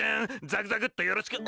ザクザクッとよろしく！